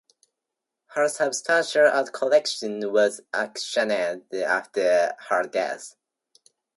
Her substantial art collection was auctioned after her death.